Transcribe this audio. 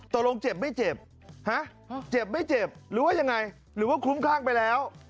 ตกลงเจ็บไม่เจ็บเจ็บไม่เจ็บหรือว่ายังไงหรือว่าคุ้มคลั่งไปแล้ว